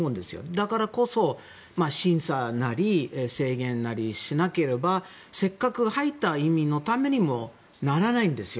だからこそ審査なり、制限なりしなければせっかく、入った移民のためにもならないんですよ。